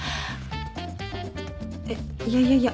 えっいやいやいや。